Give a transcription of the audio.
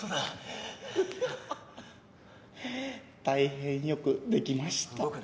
大変よくできました。